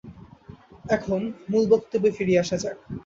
এখন মূল বক্তব্যে ফিরিয়া আসা যাক।